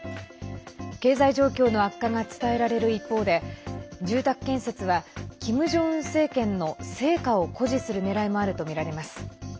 経済状況の悪化が伝えられる一方で住宅建設はキム・ジョンウン政権の成果を誇示するねらいもあるとみられます。